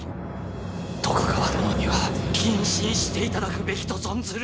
徳川殿には謹慎していただくべきと存ずる！